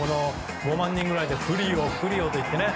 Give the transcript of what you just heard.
５万人ぐらいでフリオ、フリオと言って。